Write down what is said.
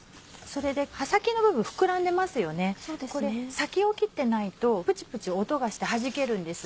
先を切ってないとプチプチ音がしてはじけるんです。